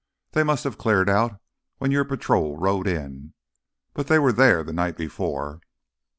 They must have cleared out when your patrol rode in, but they were there the night before."